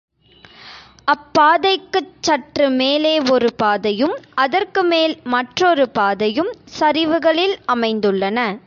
அப்பாதைக்குச் சற்று மேலே ஒரு பாதையும், அதற்கு மேல் மற்றொரு பாதையும் சரிவுகளில் அமைந்துள்ளன.